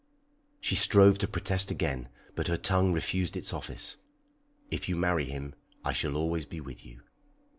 She strove to protest again, but her tongue refused its office. "If you marry him, I shall always be with you!